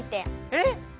えっ